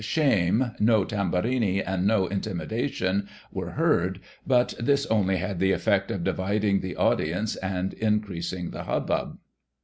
129 " Shame," " No Tamburini," and " No Intimidation," were heard, but this only had the effect of dividing the audience, and increasing the hubbub.